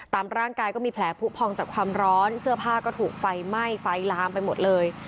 ตามร่างกายก็มีแผลผู้พองจากความร้อนเสื้อผ้าก็ถูกไฟไหม้ไฟลามไปหมดเลย